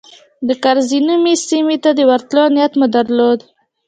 د کرز نومي سیمې ته د ورتلو نیت مو درلود.